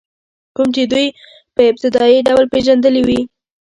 کوم چې دوی په ابتدایي ډول پېژندلي وي.